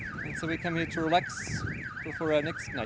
jadi kita datang ke sini untuk relaks sebelum malam selanjutnya